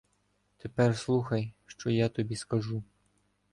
Тепер слухай, що я тобі скажу.